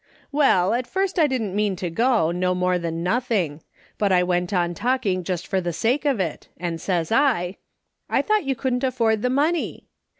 " Well, at first I didn't mean to go, no more than nothing ; but I went on talking jest for the sake of it, and says I :"' I thought you couldn't afford the money.'